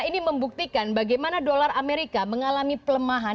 ini membuktikan bagaimana dolar amerika mengalami pelemahan